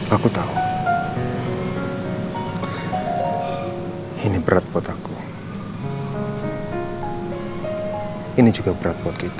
aku janji aku akan jadi istri yang lebih baik lagi buat kamu